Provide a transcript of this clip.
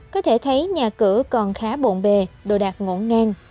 có thể thấy nhà cửa còn khá bộn bề đồ đạc ngỗ ngang